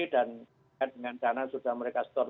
dan dengan dana yang sudah mereka store